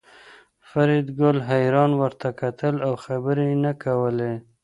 فریدګل حیران ورته کتل او خبرې یې نه کولې